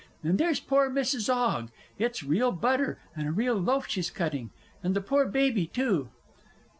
And there's poor Mrs. 'Ogg it's real butter and a real loaf she's cutting, and the poor baby, too!...